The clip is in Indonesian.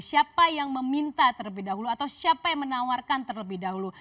siapa yang meminta terlebih dahulu atau siapa yang menawarkan terlebih dahulu